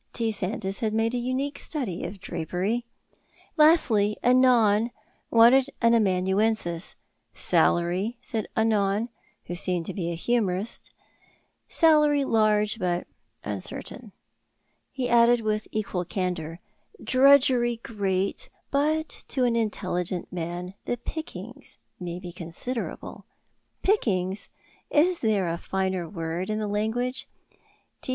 T. Sandys had made a unique study of drapery. Lastly, "Anon" wanted an amanuensis. "Salary," said "Anon," who seemed to be a humourist, "salary large but uncertain." He added with equal candour: "Drudgery great, but to an intelligent man the pickings may be considerable." Pickings! Is there a finer word in the language? T.